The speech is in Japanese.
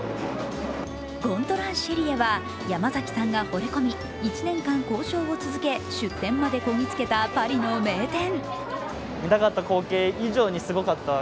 ゴントランシェリエは山崎さんが惚れ込み、１年間交渉を続け出店までこぎつけたパリの名店。